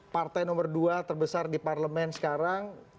partai nomor dua terbesar di parlemen sekarang